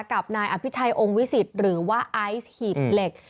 กับนายอภิชัยองค์วิสิตหรือว่าไอซ์หีบเหล็ก